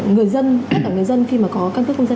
người dân tất cả người dân khi mà có căn cức công dân